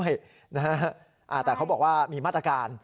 แต่เขาบอกว่ามีมาตรการ